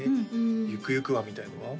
「ゆくゆくは」みたいなのは？